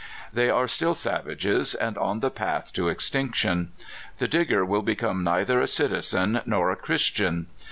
They are still savages, and on the path to extinction. The Digger will become neither a citizen nor a Chris tian.